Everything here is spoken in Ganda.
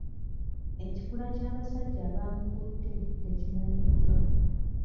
Ekikula ky'abasajja abaamukutte tekimanyiddwa.